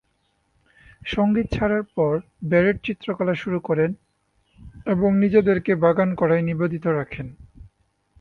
সঙ্গীত ছাড়ার পর, ব্যারেট চিত্রকলা শুরু করেন এবং নিজেকে বাগান করায় নিবেদিত রাখেন।